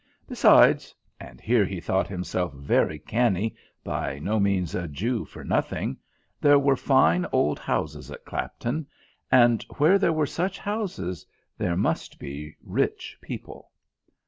Besides and here he thought himself very canny, by no means a Jew for nothing there were fine old houses at Clapton, and where there were such houses there must be rich people.